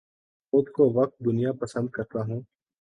خود کو وقت دنیا پسند کرتا ہوں